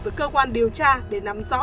với cơ quan điều tra để nắm rõ